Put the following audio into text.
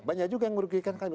banyak juga yang merugikan kami